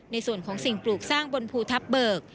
ในส่วนของสิ่งปลูกสร้างบนภูทับเบิก